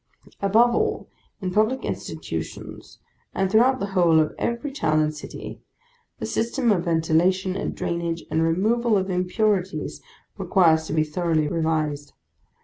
Above all, in public institutions, and throughout the whole of every town and city, the system of ventilation, and drainage, and removal of impurities requires to be thoroughly revised.